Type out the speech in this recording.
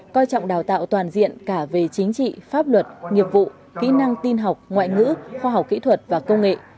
coi trọng đào tạo toàn diện cả về chính trị pháp luật nghiệp vụ kỹ năng tin học ngoại ngữ khoa học kỹ thuật và công nghệ